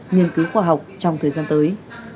nghiên cứu khoa học trong thời gian tới